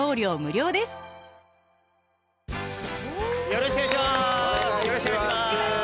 よろしくお願いします。